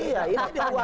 iya ini di luar jangkaan